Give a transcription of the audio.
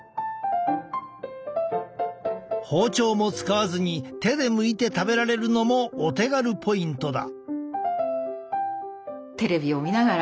包丁も使わずに手でむいて食べられるのもお手軽ポイントだ。